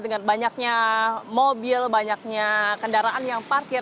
dengan banyaknya mobil banyaknya kendaraan yang parkir